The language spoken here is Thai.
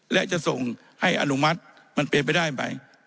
และจะส่งให้อนุมัติมันเป็นไปได้ไหม